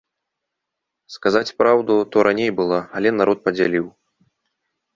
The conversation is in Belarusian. Сказаць праўду, то раней была, але народ падзяліў.